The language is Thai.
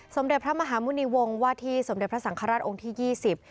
สมเด็จพระมหาหมุณีวงศ์ว่าที่สมเด็จพระสังฆราชองค์ที่ยี่สิบ